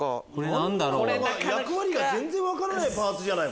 何だろう？役割が全然分からないパーツじゃない？